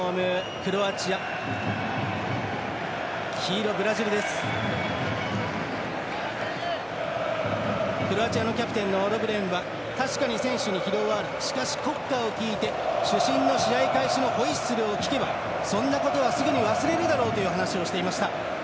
クロアチアのキャプテンのロブレンは確かに選手に疲労はあるしかし、国歌を聴いて主審の試合開始のホイッスルを聴けばそんなことはすぐに忘れるだろうという話をしていました。